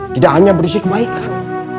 tidak hanya berisi kebaikan